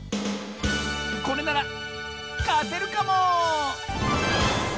これならかてるかも！